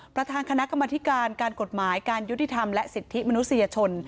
ประธานคณะกรรมธิการการกฎหมายการยุติธรรมและสิทธิมนุษยชน